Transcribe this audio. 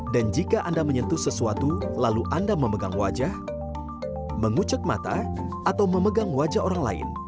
dan jika anda menyentuh sesuatu lalu anda memegang wajah mengucuk mata atau memegang wajah orang lain